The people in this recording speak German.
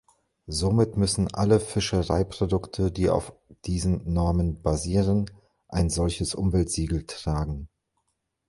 Somit müssen alle Fischereiprodukte, die auf diesen Normen basieren, ein solches Umweltsiegel tragen.